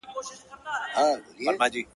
وچ لانده بوټي يې ټوله سوځوله-